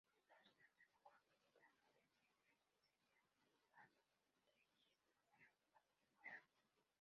No obstante lo cual, proclamó que "siempre sería batllista, fuera adonde fuera".